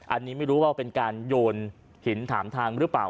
อันนี้ไม่รู้ว่าเป็นการโยนหินถามทางหรือเปล่า